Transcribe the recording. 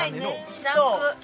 気さく。